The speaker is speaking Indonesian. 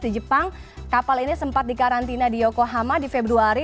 di jepang kapal ini sempat dikarantina di yokohama di februari